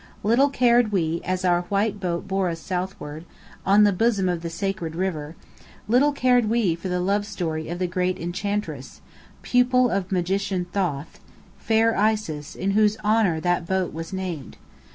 Little cared we, as our white boat bore us southward, on the bosom of the sacred river little cared we for the love story of the Great Enchantress pupil of Magician Thoth, fair Isis, in whose honour that boat was named.